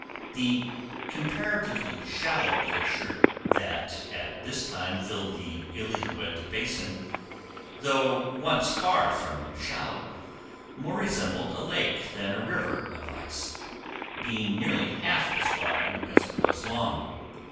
The comparatively shallow glacier that at this time filled the Illilouette Basin, though once far from shallow, more resembled a lake than a river of ice, being nearly half as wide as it was long.